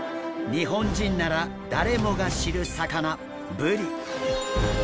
日本人なら誰もが知る魚ブリ。